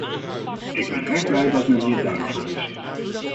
Ik ben erg blij dat men hier duidelijk voor is.